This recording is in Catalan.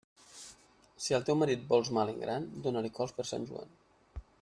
Si al teu marit vols mal en gran, dóna-li cols per Sant Joan.